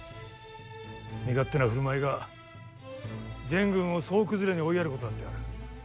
身勝手な振る舞いが、全軍を総崩れに追いやることだってある。